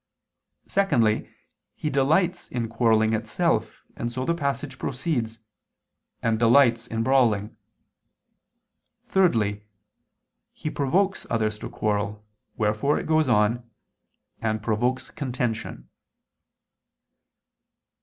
Secondly, he delights in quarrelling itself, and so the passage proceeds, "and delights in brawling." Thirdly, "he" provokes others to quarrel, wherefore it goes on, "and provokes contention."